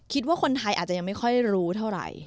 คิดว่าคนไทยอาจจะยังไม่ค่อยรู้เท่าไหร่